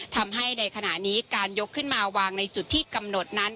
ทำให้ในขณะนี้การยกขึ้นมาวางในจุดที่กำหนดนั้น